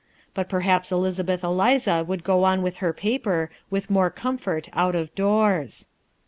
But perhaps Elizabeth Eliza would go on with her paper with more comfort out of doors.